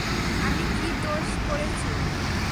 আমি কী দোষ করেছি?